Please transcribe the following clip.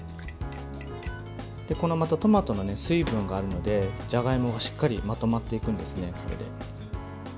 このトマトの水分があるのでじゃがいもがしっかりまとまっていくんですね、これで。